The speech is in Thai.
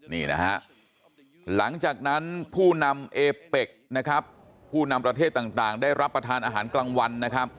นี่นะครับหลังจากนั้นผู้นำเอเปกพูดนำประเทศต่างก็ได้รับประทานอาหารกลางวัน